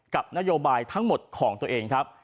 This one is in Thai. กับนโยบายทั้งหมดของตัวเองครับ